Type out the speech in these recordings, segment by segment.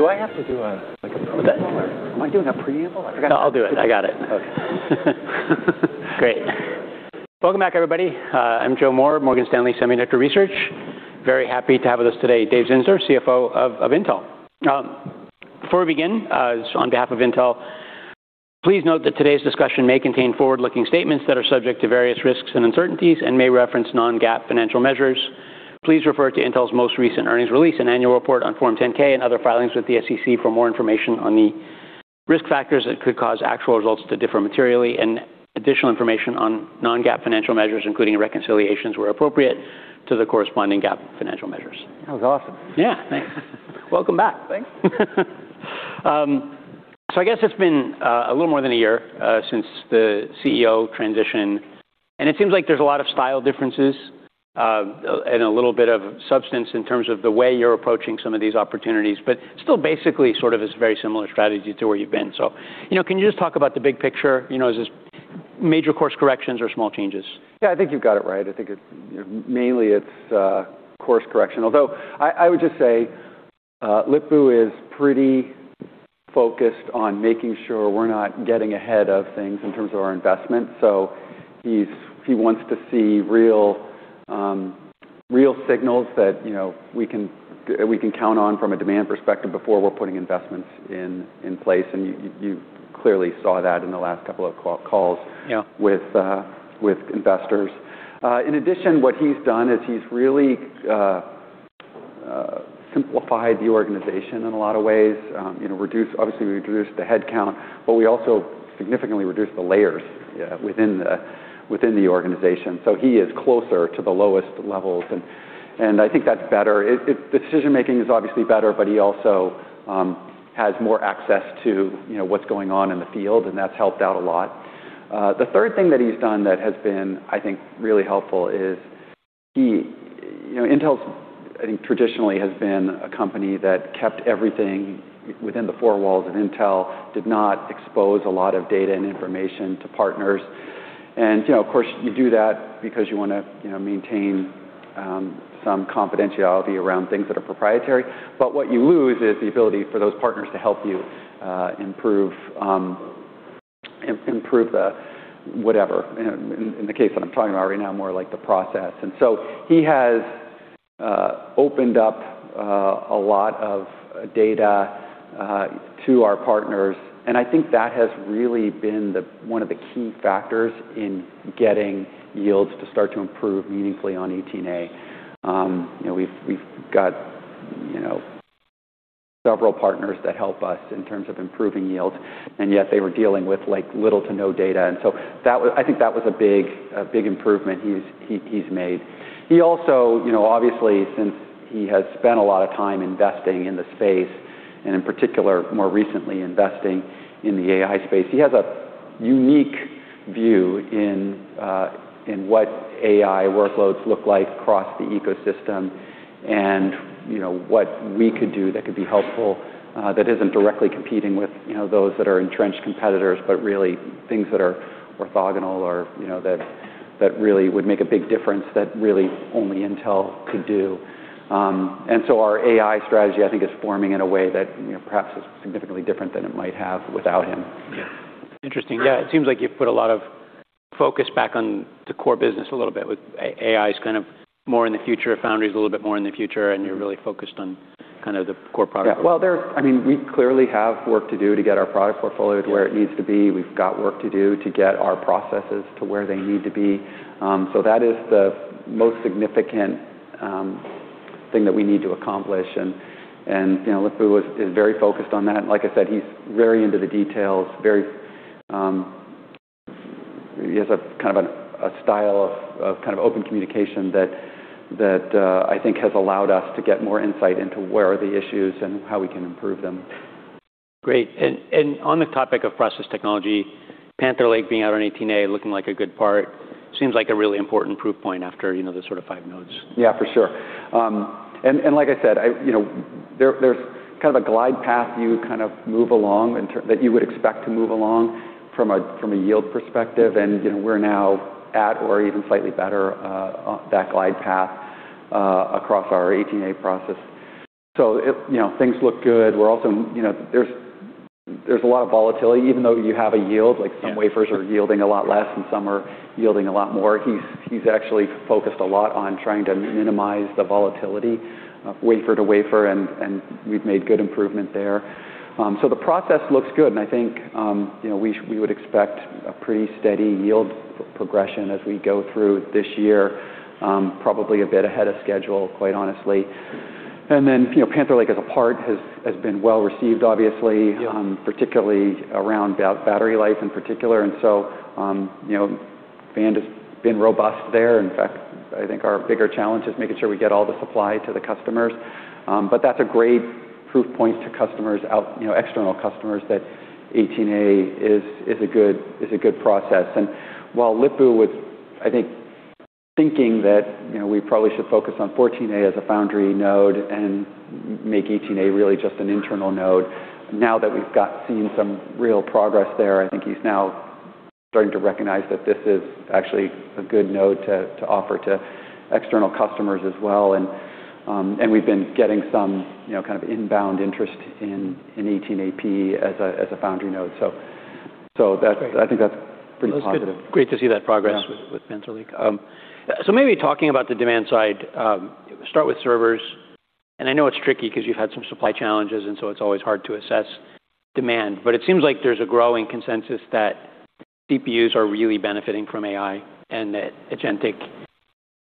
Great. Welcome back, everybody. I'm Joe Moore, Morgan Stanley Semiconductor Research. Very happy to have with us today Dave Zinsner, CFO of Intel. Before we begin, on behalf of Intel, please note that today's discussion may contain forward-looking statements that are subject to various risks and uncertainties and may reference non-GAAP financial measures. Please refer to Intel's most recent earnings release and annual report on Form 10-K and other filings with the SEC for more information on the risk factors that could cause actual results to differ materially and additional information on non-GAAP financial measures, including reconciliations where appropriate to the corresponding GAAP financial measures. That was awesome. Yeah. Thanks. Welcome back. Thanks. I guess it's been a little more than one year since the CEO transition, and it seems like there's a lot of style differences, and a little bit of substance in terms of the way you're approaching some of these opportunities, but still basically sort of this very similar strategy to where you've been. You know, can you just talk about the big picture, you know, is this major course corrections or small changes? Yeah, I think you've got it right. I think it's, mainly it's, course correction. Although, I would just say, Lip-Bu is pretty focused on making sure we're not getting ahead of things in terms of our investment. He wants to see real signals that, you know, we can count on from a demand perspective before we're putting investments in place. You clearly saw that in the last couple of calls with investors. In addition, what he's done is he's really simplified the organization in a lot of ways, you know, obviously, we reduced the headcount, but we also significantly reduced the layers within the organization. He is closer to the lowest levels, and I think that's better. Decision-making is obviously better, but he also has more access to, you know, what's going on in the field, and that's helped out a lot. The third thing that he's done that has been, I think, really helpful is he. You know, Intel's, I think, traditionally has been a company that kept everything within the four walls of Intel, did not expose a lot of data and information to partners. You know, of course, you do that because you wanna, you know, maintain some confidentiality around things that are proprietary. What you lose is the ability for those partners to help you improve the whatever, in the case that I'm talking about right now, more like the process. He has opened up a lot of data to our partners, and I think that has really been one of the key factors in getting yields to start to improve meaningfully on 18A. You know, we've got, you know, several partners that help us in terms of improving yields, and yet they were dealing with, like, little to no data. I think that was a big improvement he's made. He also, you know, obviously, since he has spent a lot of time investing in the space, and in particular, more recently investing in the AI space, he has a unique view in what AI workloads look like across the ecosystem and, you know, what we could do that could be helpful that isn't directly competing with, you know, those that are entrenched competitors, but really things that are orthogonal or, you know, that really would make a big difference that really only Intel could do. Our AI strategy, I think, is forming in a way that, you know, perhaps is significantly different than it might have without him. Yeah. Interesting. Yeah, it seems like you've put a lot of focus back on the core business a little bit with AI's kind of more in the future, Foundry's a little bit more in the future and you're really focused on kind of the core product. Yeah. Well, I mean, we clearly have work to do to get our product portfolio to where it needs to be. We've got work to do to get our processes to where they need to be. That is the most significant thing that we need to accomplish, you know, Lip-Bu is very focused on that. Like I said, he's very into the details, very. He has a kind of a style of kind of open communication that I think has allowed us to get more insight into where are the issues and how we can improve them. Great. On the topic of process technology, Panther Lake being out on 18A looking like a good part seems like a really important proof point after, you know, the sort of five nodes. Yeah, for sure. Like I said, I, you know, there's kind of a glide path you kind of move along that you would expect to move along from a yield perspective. You know, we're now at or even slightly better, on that glide path, across our 18A process. If, you know, things look good, we're also, you know. There's a lot of volatility, even though you have a yield like some wafers are yielding a lot less and some are yielding a lot more. He's actually focused a lot on trying to minimize the volatility of wafer to wafer, and we've made good improvement there. The process looks good, and I think, you know, we would expect a pretty steady yield progression as we go through this year, probably a bit ahead of schedule, quite honestly. Then, you know, Panther Lake as a part has been well-received, obviously. Particularly around battery life in particular. You know, band has been robust there. In fact, I think our bigger challenge is making sure we get all the supply to the customers. That's a great proof point to customers out, you know, external customers that 18A is a good, is a good process. While Lip-Bu was, I think, thinking that, you know, we probably should focus on 14A as a foundry node and make 18A really just an internal node, now that we've seen some real progress there, I think he's now starting to recognize that this is actually a good node to offer to external customers as well. We've been getting some, you know, kind of inbound interest in 18AP as a foundry node. So that-- That's great. I think that's pretty positive. Well, it's great to see that progress with Panther Lake. Maybe talking about the demand side, start with servers. I know it's tricky 'cause you've had some supply challenges, it's always hard to assess demand. It seems like there's a growing consensus that CPUs are really benefiting from AI, and that agentic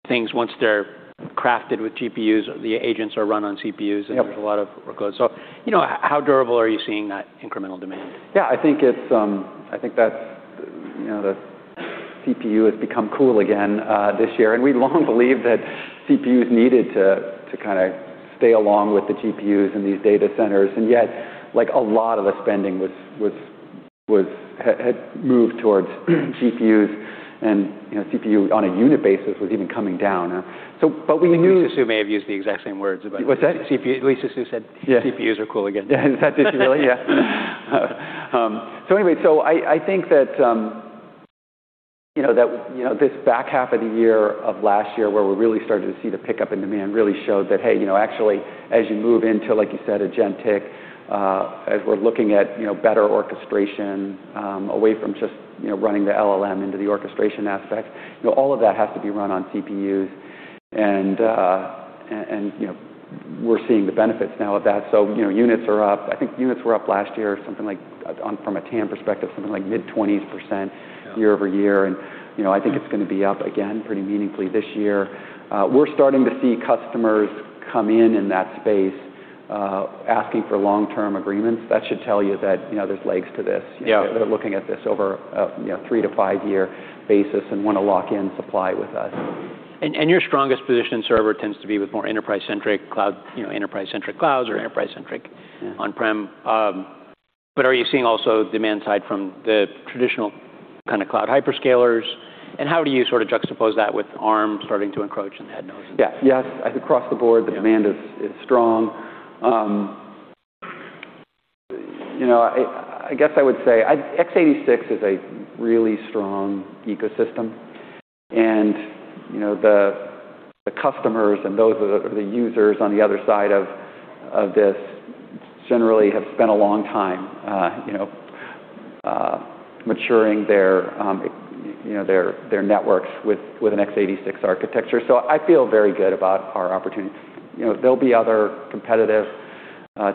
things, once they're crafted with GPUs, the agents are run on CPUs. There's a lot of workloads. You know, how durable are you seeing that incremental demand? Yeah. I think it's, I think that's, you know, the CPU has become cool again this year. We long believed that CPUs needed to kinda stay along with the GPUs in these data centers, and yet, like, a lot of the spending was, had moved towards GPUs and, you know, CPU on a unit basis was even coming down. We knew-- Lisa Su may have used the exact same words about it. What's that? Lisa Su said. Yeah. CPUs are cool again. Yeah. Did she really? Yeah. Anyway, so I think that, you know, that, you know, this back half of the year of last year where we really started to see the pickup in demand really showed that, hey, you know, actually, as you move into, like you said, agentic, as we're looking at, you know, better orchestration, away from just, you know, running the LLM into the orchestration aspect, you know, all of that has to be run on CPUs. And, you know, we're seeing the benefits now of that. Units are up. I think units were up last year something like, from a TAM perspective, something like mid-20%. Year-over-year. You know, I think it's gonna be up again pretty meaningfully this year. We're starting to see customers come in in that space, asking for long-term agreements. That should tell you that, you know, there's legs to this. You know, they're looking at this over a, you know, three to five-year basis and wanna lock in supply with us. Your strongest position server tends to be with more enterprise-centric cloud, you know, enterprise-centric or enterprise-centric Yeah. On-prem. Are you seeing also demand side from the traditional kinda cloud hyperscalers, and how do you sorta juxtapose that with Arm starting to encroach in that nose? Yeah. Yes, I think across the board, the demand is strong. You know, I guess I would say, x86 is a really strong ecosystem and, you know, the customers and those are the users on the other side of this generally have spent a long time, you know, maturing their, you know, their networks with an x86 architecture. I feel very good about our opportunity. You know, there'll be other competitive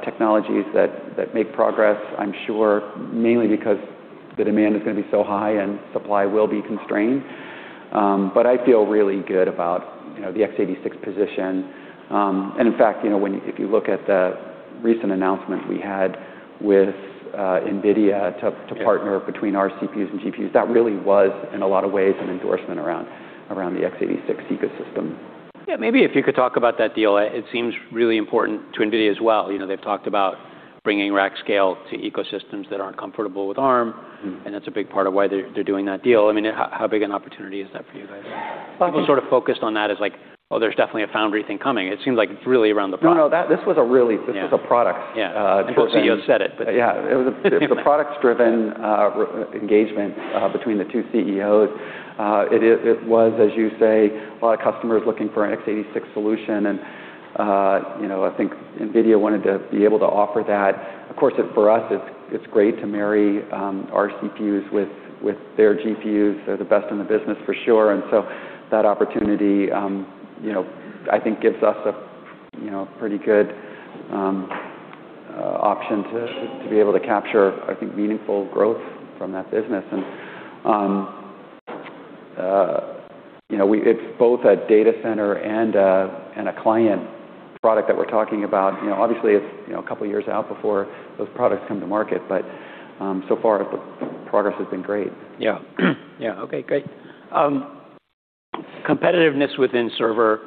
technologies that make progress, I'm sure, mainly because the demand is gonna be so high and supply will be constrained. I feel really good about, you know, the x86 position. In fact, you know, if you look at the recent announcement we had with NVIDIA to partner between our CPUs and GPUs, that really was, in a lot of ways, an endorsement around the x86 ecosystem. Yeah. Maybe if you could talk about that deal. It seems really important to NVIDIA as well. You know, they've talked about bringing rack scale to ecosystems that aren't comfortable with Arm. That's a big part of why they're doing that deal. I mean, how big an opportunity is that for you guys? People sort of focused on that as like, "Oh, there's definitely a foundry thing coming." It seems like it's really around the product. No, no, this was a really. This was a product focusing. The CEO said it, but Yeah. It was a product-driven engagement between the two CEOs. It was, as you say, a lot of customers looking for an x86 solution and, you know, I think NVIDIA wanted to be able to offer that. Of course, for us, it's great to marry our CPUs with their GPUs. They're the best in the business for sure. That opportunity, you know, I think gives us a, you know, pretty good option to be able to capture, I think, meaningful growth from that business. you know, it's both a data center and a client product that we're talking about. You know, obviously, it's, you know, a couple years out before those products come to market, but so far the progress has been great. Yeah. Okay, great. Competitiveness within server,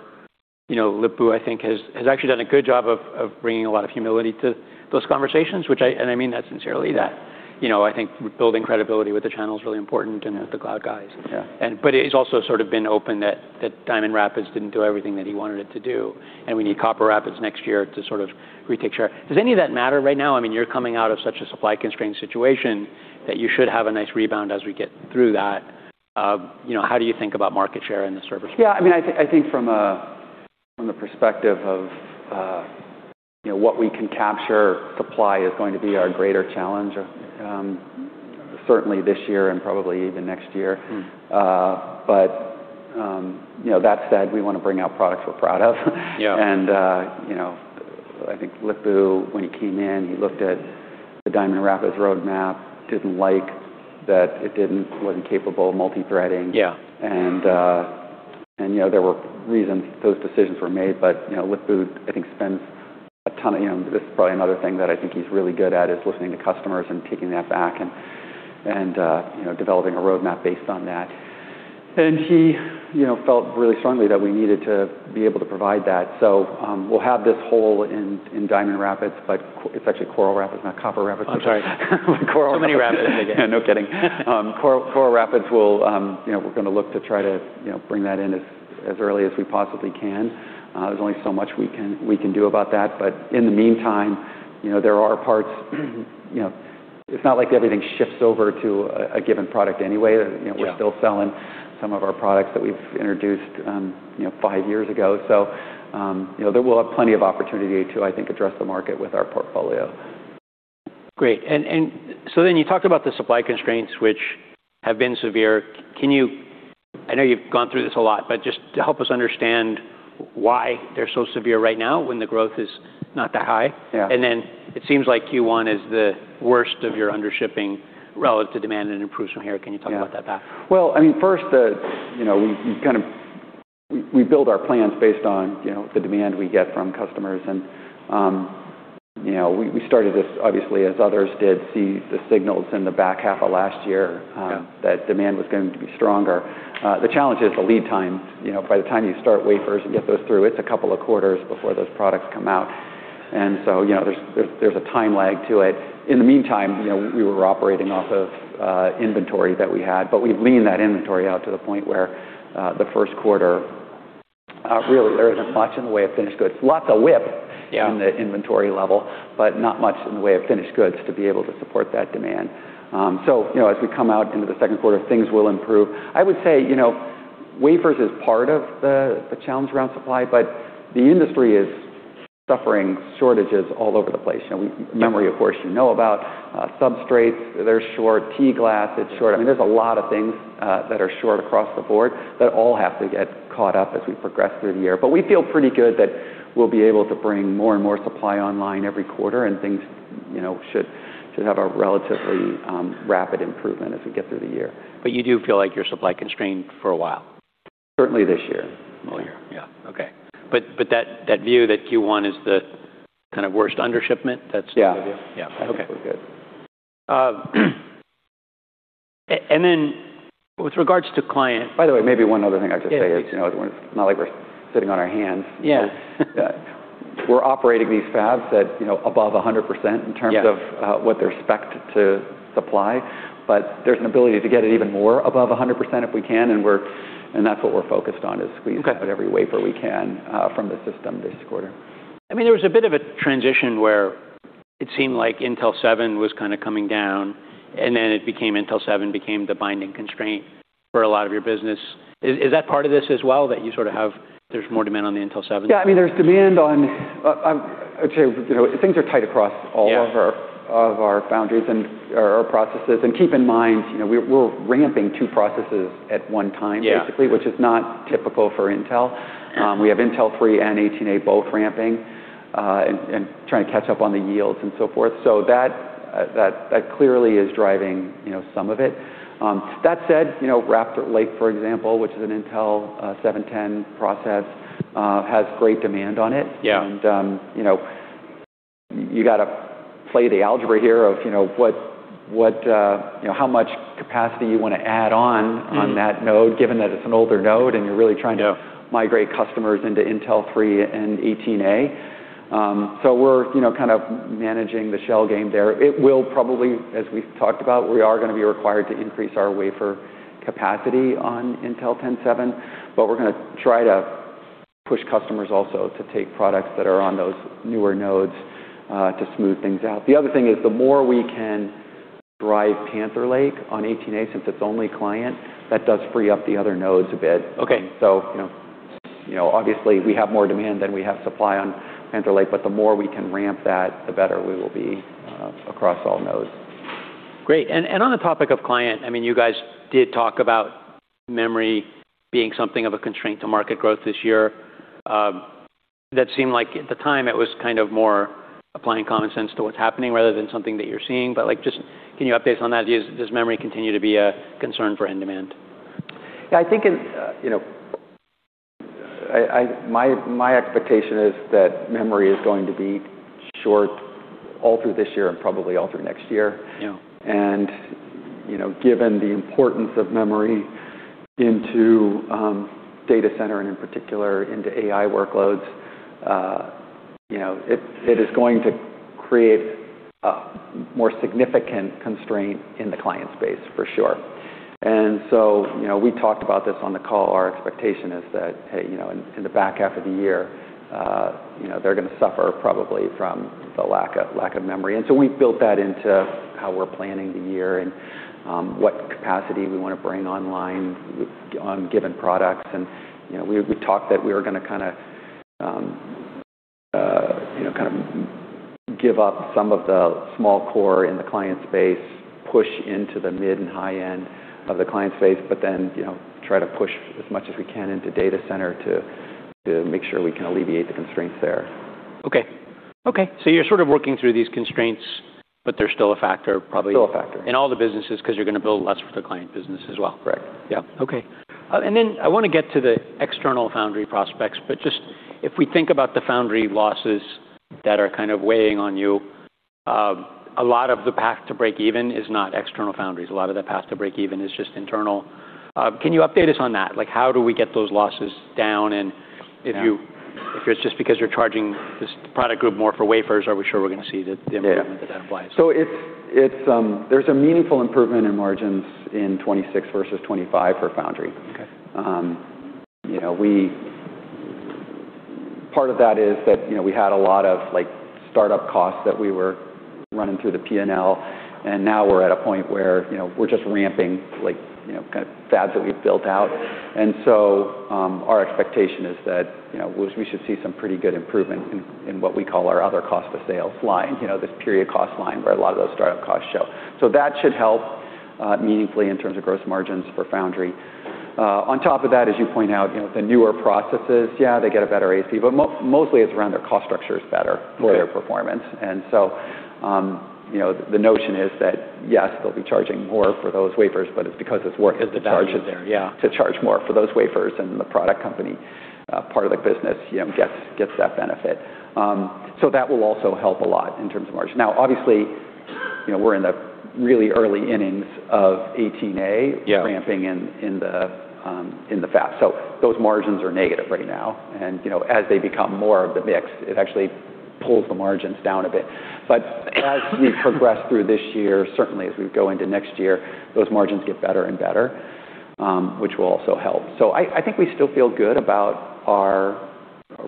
you know, Lip-Bu, I think, has actually done a good job of bringing a lot of humility to those conversations, and I mean that sincerely, that, you know, I think building credibility with the channel is really important with the cloud guys. Yeah. But he's also sort of been open that Diamond Rapids didn't do everything that he wanted it to do, and we need Coral Rapids next year to sort of retake share. Does any of that matter right now? I mean, you're coming out of such a supply-constrained situation that you should have a nice rebound as we get through that. You know, how do you think about market share in the server space? Yeah. I mean, I think from a perspective of, you know, what we can capture, supply is going to be our greater challenge, certainly this year and probably even next year. You know, that said, we wanna bring out products we're proud of. You know, I think Lip-Bu, when he came in, he looked at the Diamond Rapids roadmap, didn't like that it wasn't capable of multithreading. You know, there were reasons those decisions were made. You know, Lip-Bu I think spends a ton of, you know. This is probably another thing that I think he's really good at, is listening to customers and taking that back and, you know, developing a roadmap based on that. He, you know, felt really strongly that we needed to be able to provide that. We'll have this hole in Diamond Rapids, but it's actually Coral Rapids, not Coral Rapids. I'm sorry. Coral-- Many Rapids. Yeah, no kidding. Coral Rapids will, you know, we're gonna look to try to, you know, bring that in as early as we possibly can. There's only so much we can, we can do about that. In the meantime, there are parts. It's not like everything shifts over to a given product anyway. You know, we're still selling some of our products that we've introduced, you know, five years ago. We'll have plenty of opportunity to, I think, address the market with our portfolio. Great. You talked about the supply constraints, which have been severe. I know you've gone through this a lot, but just to help us understand why they're so severe right now when the growth is not that high? Yeah. It seems like Q1 is the worst of your undershipping relative to demand and improves from here. Can you talk about that path? Yeah. Well, I mean, first, the, you know, we build our plans based on, you know, the demand we get from customers and, you know, we started this obviously, as others did, see the signals in the back half of last year. That demand was going to be stronger. The challenge is the lead time. You know, by the time you start wafers and get those through, it's a couple of quarters before those products come out. You know, there's a time lag to it. In the meantime, you know, we were operating off of inventory that we had, but we've leaned that inventory out to the point where the first quarter really there isn't much in the way of finished goods. Lots of whip in the inventory level, but not much in the way of finished goods to be able to support that demand. You know, as we come out into the second quarter, things will improve. I would say, you know, wafers is part of the challenge around supply, but the industry is suffering shortages all over the place. You know. Memory, of course, you know about. Substrates, they're short. T-glass, it's short. I mean, there's a lot of things that are short across the board that all have to get caught up as we progress through the year. We feel pretty good that we'll be able to bring more and more supply online every quarter and things, you know, should have a relatively rapid improvement as we get through the year. You do feel like you're supply constrained for a while? Certainly this year. Oh, yeah. Yeah. Okay. That view that Q1 is the kind of worst undershipment. Yeah. Yeah. Okay. I think we're good. Then with regards to client-- By the way, maybe one other thing I'd just say is. You know, it's not like we're sitting on our hands. Yeah. We're operating these fabs at, you know, above 100% in terms of what they're spec-ed to supply, but there's an ability to get it even more above 100% if we can and that's what we're focused on, is squeezing out every wafer we can, from the system this quarter. I mean, there was a bit of a transition where it seemed like Intel 7 was kind of coming down, and then it became Intel 7 became the binding constraint for a lot of your business. Is that part of this as well, that you sort of there's more demand on the Intel 7? Yeah. I mean, there's demand on. Okay. You know, things are tight of our foundries or processes. Keep in mind, you know, we're ramping two processes at one time. Basically, which is not typical for Intel. We have Intel 3 and 18A both ramping, and trying to catch up on the yields and so forth. That clearly is driving, you know, some of it. That said, you know, Raptor Lake, for example, which is an Intel 7 process, has great demand on it. You know, you gotta play the algebra here of, you know, what, you know, how much capacity you wanna add on that node, given that it's an older node and you're really trying to migrate customers into Intel 3 and 18A. We're, you know, kind of managing the shell game there. It will probably, as we've talked about, we are gonna be required to increase our wafer capacity on Intel seven ten, but we're gonna try to push customers also to take products that are on those newer nodes to smooth things out. The other thing is the more we can drive Panther Lake on 18A, since it's only client, that does free up the other nodes a bit. Okay. You know, obviously, we have more demand than we have supply on Panther Lake, but the more we can ramp that, the better we will be across all nodes. Great. On the topic of client, I mean, you guys did talk about memory being something of a constraint to market growth this year. That seemed like at the time it was kind of more applying common sense to what's happening rather than something that you're seeing. Like, just can you update us on that? Does memory continue to be a concern for end demand? Yeah, I think it, you know. My expectation is that memory is going to be short all through this year and probably all through next year. Yeah. You know, given the importance of memory into data center and in particular into AI workloads, you know, it is going to create a more significant constraint in the client space for sure. You know, we talked about this on the call. Our expectation is that, hey, you know, in the back half of the year, you know, they're gonna suffer probably from the lack of memory. We've built that into how we're planning the year and what capacity we wanna bring online on given products. You know, we talked that we were gonna kinda, you know, kind of give up some of the small core in the client space, push into the mid and high end of the client space, but then, you know, try to push as much as we can into data center to make sure we can alleviate the constraints there. Okay. you're sort of working through these constraints, but they're still a factor probably in all the businesses 'cause you're gonna build less for the client business as well. Correct. Yeah. Okay. Then I wanna get to the external foundry prospects, just if we think about the foundry losses that are kind of weighing on you, a lot of the path to break even is not external foundries. A lot of the path to break even is just internal. Can you update us on that? How do we get those losses down? If it's just because you're charging this product group more for wafers, are we sure we're gonna see the improvement that implies? It's a meaningful improvement in margins in 2026 versus 2025 for Foundry. Okay. You know, we-- Part of that is that, you know, we had a lot of like startup costs that we were running through the P&L, and now we're at a point where, you know, we're just ramping like, you know, kind of fabs that we've built out. Our expectation is that, you know, we should see some pretty good improvement in what we call our other cost of sales line, you know, this period cost line where a lot of those startup costs show. That should help, meaningfully in terms of gross margins for Foundry. On top of that, as you point out, you know, the newer processes, yeah, they get a better AC, but mostly it's around their cost structure is better for their performance. you know, the notion is that, yes, they'll be charging more for those wafers, but it's because it's worth to charge more for those wafers and the product company, part of the business, you know, gets that benefit. That will also help a lot in terms of margin. Obviously, you know, we're in the really early innings of 18A ramping in the fab. Those margins are negative right now and, you know, as they become more of the mix, it actually pulls the margins down a bit. As we progress through this year, certainly as we go into next year, those margins get better and better, which will also help. I think we still feel good about our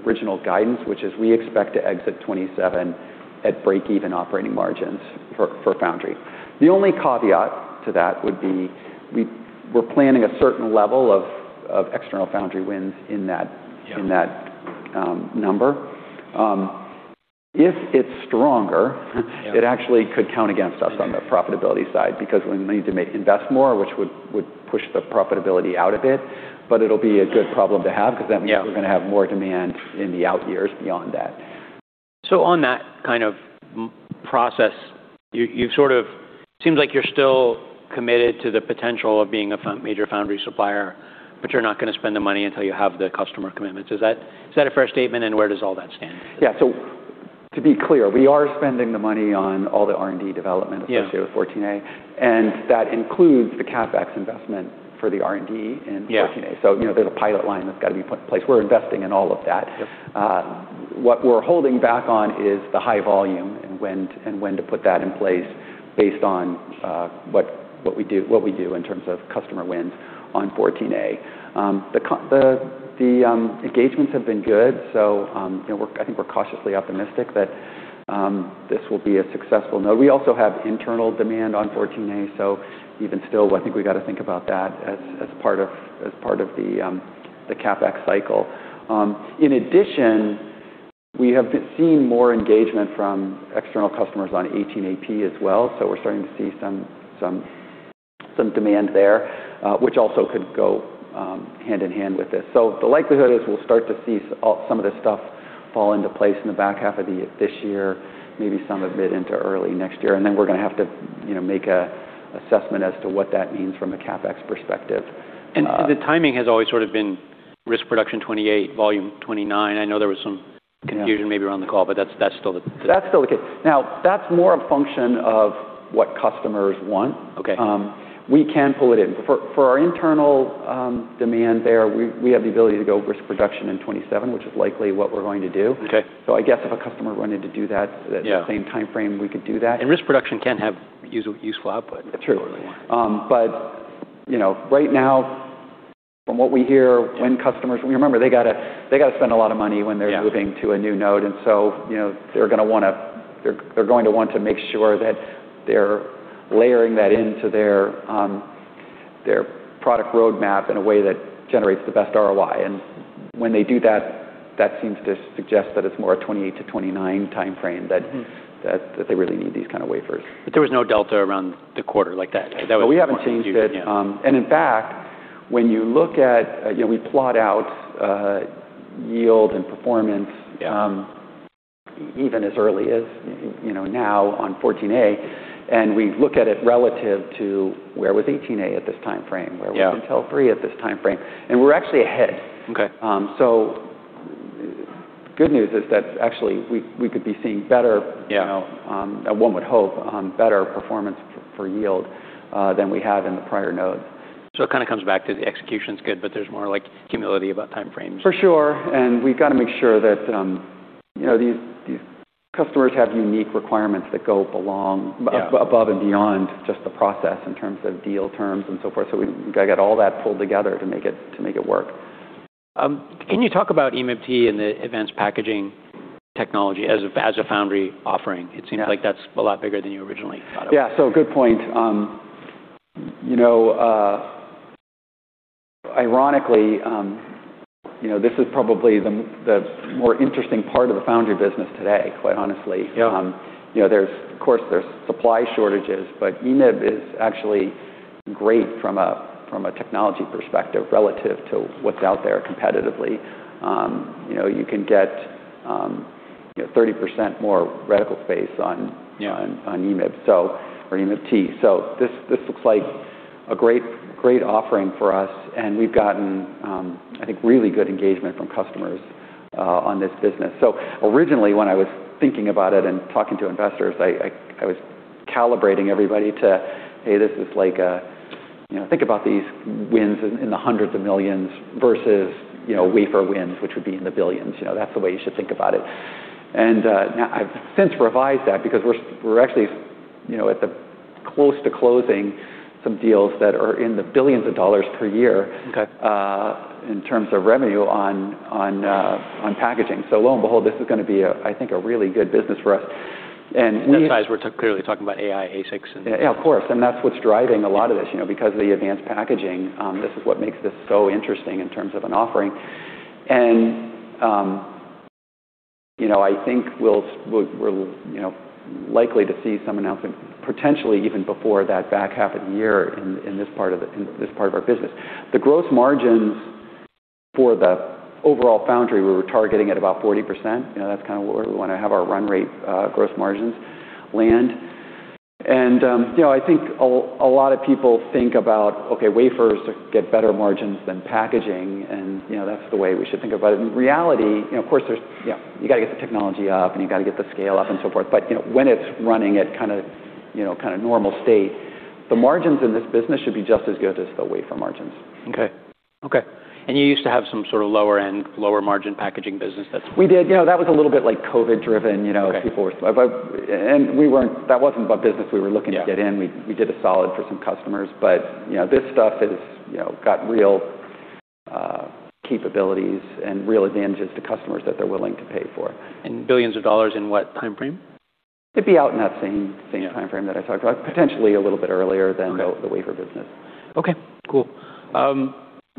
original guidance, which is we expect to exit 27 at break-even operating margins for Foundry. The only caveat to that would be we're planning a certain level of external Foundry wins in that number. If it's stronger, it actually could count against us on the profitability side because we need to invest more, which would push the profitability out a bit. It'll be a good problem to have because that means we're gonna have more demand in the out years beyond that. On that kind of process, you've seems like you're still committed to the potential of being a major foundry supplier, but you're not gonna spend the money until you have the customer commitments. Is that a fair statement and where does all that stand? Yeah. To be clear, we are spending the money on all the R&D development associated with 14A, and that includes the CapEx investment for the R&D in 14A. you know, there's a pilot line that's gotta be put in place. We're investing in all of that. Yep. What we're holding back on is the high volume and when to put that in place based on what we do in terms of customer wins on 14A. The engagements have been good you know, I think we're cautiously optimistic that this will be a successful node. We also have internal demand on 14A. Even still, I think we gotta think about that as part of the CapEx cycle. In addition, we have seen more engagement from external customers on 18AP as well. We're starting to see some demand there, which also could go hand in hand with this. The likelihood is we'll start to see some of this stuff fall into place in the back half of this year, maybe some of it into early next year, and then we're gonna have to, you know, make a assessment as to what that means from a CapEx perspective. The timing has always sort of been risk production 2028, volume 2029. I know there was confusion maybe around the call, but that's still the-- That's still the case. Now, that's more a function of what customers want. Okay. We can pull it in. For our internal, demand there, we have the ability to go risk production in 2027, which is likely what we're going to do. I guess if a customer wanted to do that at the same timeframe, we could do that. Risk production can have useful output. True. you know, right now from what we hear when customers. Remember, they gotta spend a lot of money when they're moving to a new node, you know, they're going to want to make sure that they're layering that into their product roadmap in a way that generates the best ROI. When they do that seems to suggest that it's more a 2028 to 2029 timeframe that they really need these kind of wafers. There was no delta around the quarter like that. We haven't seen it. In fact, when you look at, you know, we plot out, yield and performance even as early as, you know, now on 14A, and we look at it relative to where was 18A at this timeframe. Where was Intel 3 at this timeframe, and we're actually ahead. Okay. Good news is that actually we could be seeing. You know, one would hope, better performance for yield, than we have in the prior nodes. It kind of comes back to the execution's good, but there's more like humility about timeframes. For sure, we've gotta make sure that, you know, these customers have unique requirements that go above and beyond just the process in terms of deal terms and so forth. We've gotta get all that pulled together to make it work. Can you talk about EMIB-T and the advanced packaging technology as a Foundry offering? Yeah. It seems like that's a lot bigger than you originally thought it would be. Yeah. Good point. You know, ironically, you know, this is probably the more interesting part of the Foundry business today, quite honestly. Yeah. You know, there's of course, there's supply shortages. EMIB is actually great from a technology perspective relative to what's out there competitively. you know, you can get, you know, 30% more reticle limits. On EMIB, or EMIB-T. This looks like a great offering for us, and we've gotten, I think, really good engagement from customers on this business. Originally, when I was thinking about it and talking to investors, I was calibrating everybody to, "Hey, this is like a. You know, think about these wins in the hundreds of millions versus, you know, wafer wins, which would be in the billions. You know, that's the way you should think about it." Now I've since revised that because we're actually, you know, at the close to closing some deals that are in the billions of dollars per year in terms of revenue on packaging. Lo and behold, this is gonna be a, I think, a really good business for us. In that size, we're clearly talking about AI ASICs. Yeah, of course. That's what's driving a lot of this, you know, because of the advanced packaging, this is what makes this so interesting in terms of an offering. You know, I think we'll, we're, you know, likely to see some announcements potentially even before that back half of the year in this part of our business. The gross margins for the overall foundry, we were targeting at about 40%. You know, that's kind of where we wanna have our run rate, gross margins land. You know, I think a lot of people think about, okay, wafers get better margins than packaging, and, you know, that's the way we should think about it. In reality, you know, of course, You know, you gotta get the technology up, and you gotta get the scale up, and so forth. You know, when it's running at kind of, you know, kind of normal state, the margins in this business should be just as good as the wafer margins. Okay. You used to have some sort of lower end, lower margin packaging business. We did. You know, that was a little bit like COVID driven, you know that wasn't about business we were looking to get in. We did a solid for some customers. You know, this stuff is, you know, got real capabilities and real advantages to customers that they're willing to pay for. Billions of dollars in what timeframe? It'd be out in that same timeframe that I talked about, potentially a little bit earlier the wafer business. Okay, cool.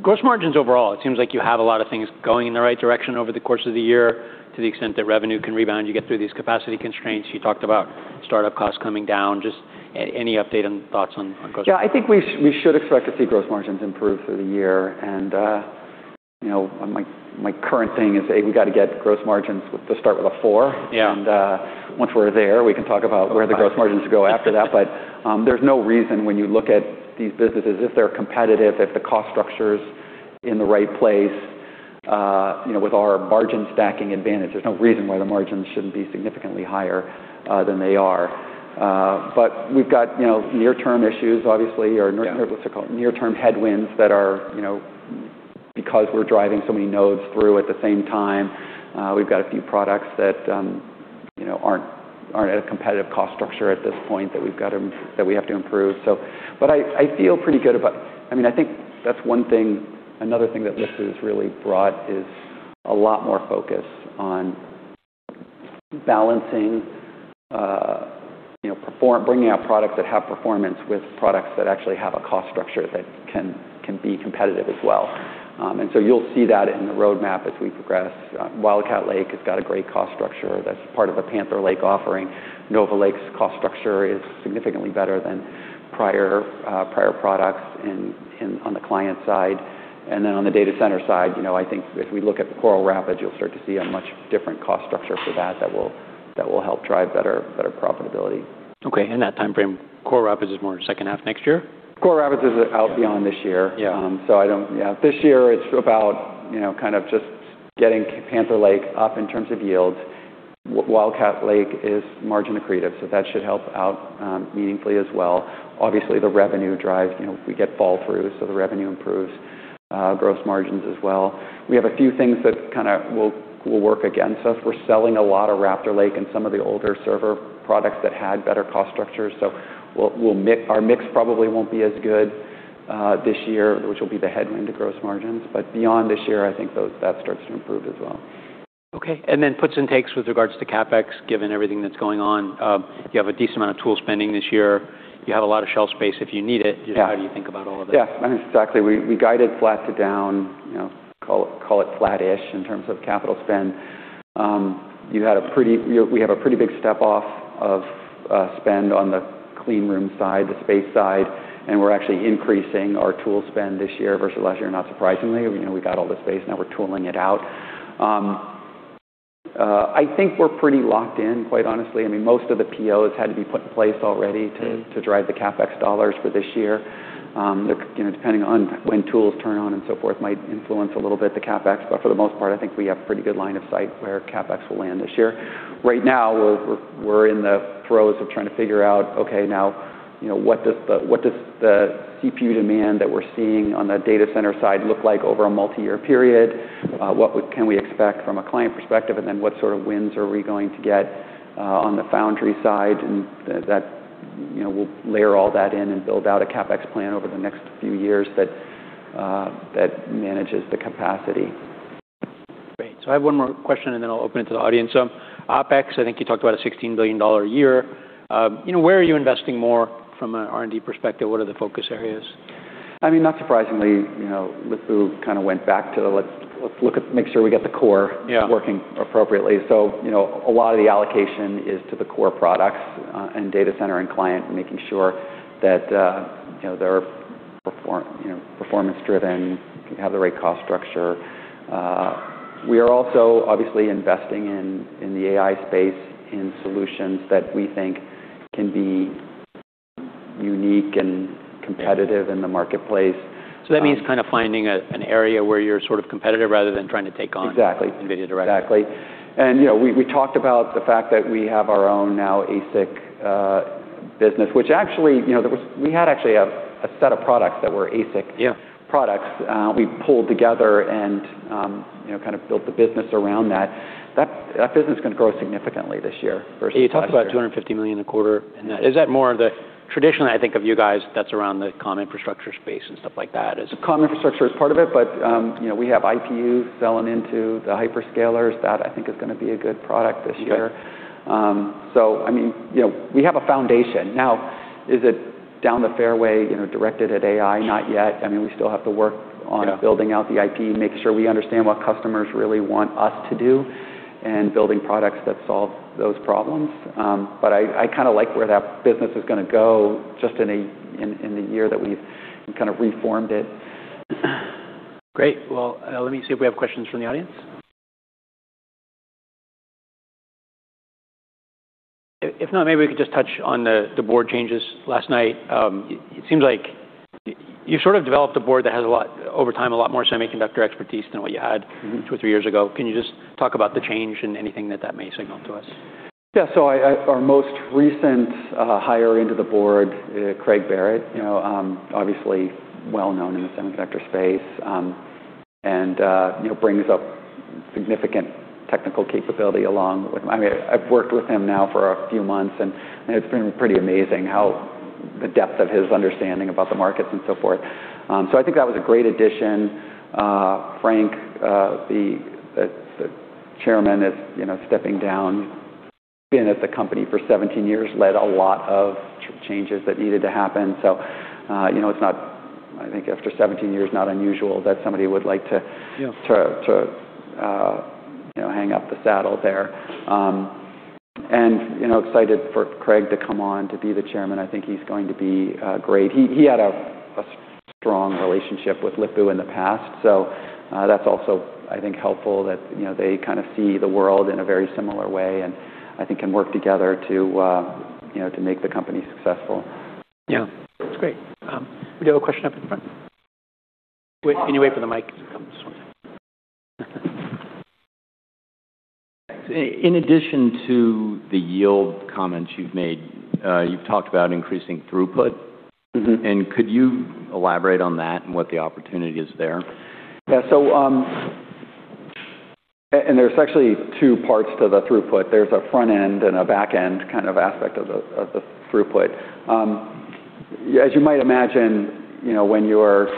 gross margins overall, it seems like you have a lot of things going in the right direction over the course of the year to the extent that revenue can rebound, you get through these capacity constraints. You talked about startup costs coming down. any update and thoughts on gross-- Yeah, I think we should expect to see gross margins improve through the year. You know, my current thing is, A, we gotta get gross margins to start with a 4%. Yeah. Once we're there, we can talk about where the gross margins go after that. There's no reason when you look at these businesses, if they're competitive, if the cost structure's in the right place, you know, with our margin stacking advantage, there's no reason why the margins shouldn't be significantly higher than they are. We've got, you know, near-term issues, obviously. What's it called, near-term headwinds that are, you know, because we're driving so many nodes through at the same time, we've got a few products that, you know, aren't at a competitive cost structure at this point that we have to improve. I feel pretty good. I mean, I think that's one thing. Another thing that Lip-Bu has really brought is a lot more focus on balancing, you know, bringing out products that have performance with products that actually have a cost structure that can be competitive as well. You'll see that in the roadmap as we progress. Wildcat Lake has got a great cost structure that's part of a Panther Lake offering. Nova Lake's cost structure is significantly better than prior prior products on the client side. On the data center side, you know, I think if we look at the Coral Rapids, you'll start to see a much different cost structure for that that will help drive better profitability. Okay. In that timeframe, Coral Rapids is more second half next year? Coral Rapids is out beyond this year. Yeah. I don't. Yeah. This year, it's about, you know, kind of just getting Panther Lake up in terms of yields. Wildcat Lake is margin accretive, so that should help out, meaningfully as well. Obviously, the revenue drive, you know, we get fall-through, so the revenue improves, gross margins as well. We have a few things that kinda will work against us. We're selling a lot of Raptor Lake and some of the older server products that had better cost structures, so we'll our mix probably won't be as good, this year, which will be the headwind to gross margins. Beyond this year, I think that starts to improve as well. Okay. Then puts and takes with regards to CapEx, given everything that's going on. You have a decent amount of tool spending this year. You have a lot of shelf space if you need it. Just how do you think about all of it? Yeah. Exactly. We guided flat to down, you know, call it flat-ish in terms of capital spend. You know, we have a pretty big step off of spend on the clean room side, the space side, and we're actually increasing our tool spend this year versus last year, not surprisingly. You know, we got all the space, now we're tooling it out. I think we're pretty locked in, quite honestly. I mean, most of the POs had to be put in place already to drive the CapEx dollars for this year. You know, depending on when tools turn on and so forth might influence a little bit the CapEx, but for the most part, I think we have pretty good line of sight where CapEx will land this year. Right now, we're in the throes of trying to figure out, okay, now, you know, what does the CPU demand that we're seeing on the data center side look like over a multi-year period? What can we expect from a client perspective? What sort of wins are we going to get on the foundry side? That, you know, we'll layer all that in and build out a CapEx plan over the next few years that manages the capacity. Great. I have one more question, and then I'll open it to the audience. OpEx, I think you talked about a $16 billion a year. you know, where are you investing more from an R&D perspective? What are the focus areas? I mean, not surprisingly, you know, Lip-Bu kind of went back to let's make sure we get the core working appropriately. You know, a lot of the allocation is to the core products, and data center and client, making sure that, you know, they're performance driven, have the right cost structure. We are also obviously investing in the AI space in solutions that we think can be unique and competitive in the marketplace. That means kind of finding an area where you're sort of competitive rather than trying to take on NVIDIA directly. Exactly. You know, we talked about the fact that we have our own now ASIC business, which actually, you know, we had actually a set of products that were ASIC products, we pulled together and, you know, kind of built the business around that. That business is gonna grow significantly this year versus last year. Yeah, you talked about $250 million a quarter. Is that more of the traditionally, I think of you guys, that's around the comm infrastructure space and stuff like that? Comm infrastructure is part of it, but, you know, we have IPU selling into the hyperscalers. That I think is gonna be a good product this year. I mean, you know, we have a foundation. Now, is it down the fairway, you know, directed at AI? Not yet. I mean, we still have to work building out the IP, making sure we understand what customers really want us to do, and building products that solve those problems. I kind of like where that business is going to go just in the year that we've kind of reformed it. Great. Well, let me see if we have questions from the audience. If not, maybe we could just touch on the board changes last night. It seems like you've sort of developed a board that has a lot over time, a lot more semiconductor expertise than what you had two or three years ago. Can you just talk about the change and anything that that may signal to us? Yeah. Our most recent hire into the board, Craig Barrett, you know, obviously well-known in the semiconductor space, and, you know, brings a significant technical capability along with-- I mean, I've worked with him now for a few months, and it's been pretty amazing the depth of his understanding about the markets and so forth. I think that was a great addition. Frank, the Chairman is, you know, stepping down. Been at the company for 17 years, led a lot of changes that needed to happen. You know, it's not, I think after 17 years, not unusual that somebody would like to, you know, hang up the saddle there. You know, excited for Craig to come on to be the Chairman. I think he's going to be great. He had a strong relationship with Lip-Bu in the past. That's also I think helpful that, you know, they kind of see the world in a very similar way. I think can work together to, you know, to make the company successful. Yeah. That's great. We do have a question up in front. Wait, can you wait for the mic to come this one time? In addition to the yield comments you've made, you've talked about increasing throughput. Could you elaborate on that and what the opportunity is there? Yeah. And there's actually two parts to the throughput. There's a front end and a back end kind of aspect of the, of the throughput. As you might imagine, you know, when you're,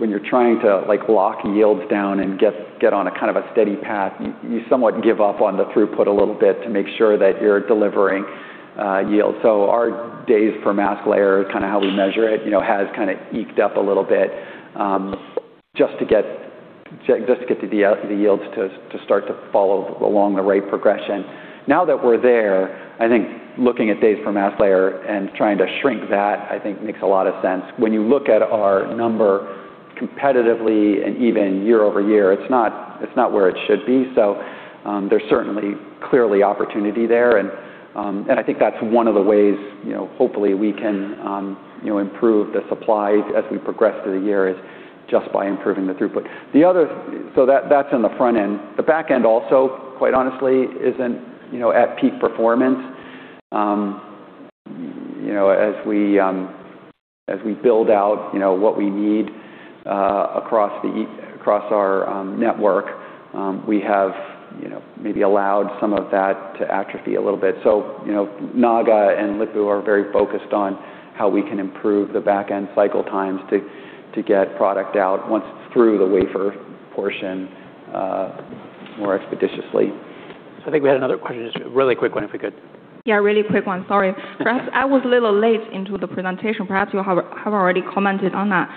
when you're trying to like lock yields down and get on a kind of a steady path, you somewhat give up on the throughput a little bit to make sure that you're delivering yield. Our days per mask layer, kind of how we measure it, you know, has kind of eked up a little bit, just to get the yields to start to follow along the right progression. Now that we're there, I think looking at days per mask layer and trying to shrink that, I think makes a lot of sense. When you look at our number competitively and even year-over-year, it's not, it's not where it should be. There's certainly clearly opportunity there and I think that's one of the ways, you know, hopefully we can, you know, improve the supplies as we progress through the year is just by improving the throughput. So that's on the front end. The back end also, quite honestly, isn't, you know, at peak performance. You know, as we, as we build out, you know, what we need, across our network, we have, you know, maybe allowed some of that to atrophy a little bit. You know, Naga and Lip-Bu are very focused on how we can improve the back-end cycle times to get product out once it's through the wafer portion more expeditiously. I think we had another question. Just a really quick one, if we could. Yeah, a really quick one. Sorry. Perhaps I was a little late into the presentation. Perhaps you have already commented on that.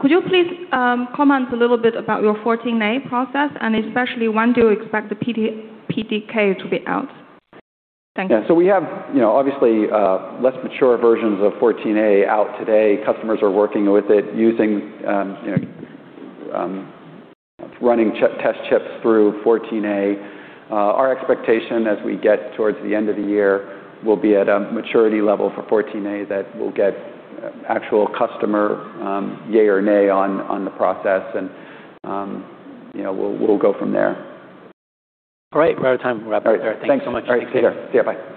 Could you please comment a little bit about your 14A process, and especially when do you expect the PDK to be out? Thank you. Yeah. We have, you know, obviously, less mature versions of 14A out today. Customers are working with it using, you know, running test chips through 14A. Our expectation as we get towards the end of the year will be at a maturity level for 14A that we'll get actual customer, yay or nay on the process. You know, we'll go from there. All right. We're out of time. We'll wrap it there. All right. Thanks. Thank you so much. All right. See you later. See you. Bye.